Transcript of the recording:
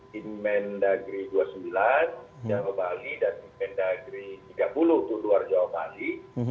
kementerian kewilaihan kemendagri dua puluh sembilan jawa bali dan kementerian kewilaihan kemendagri tiga puluh jawa bali